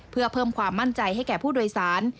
เพื่อเพิ่มความมั่นใจให้แก่ผู้โดยสาร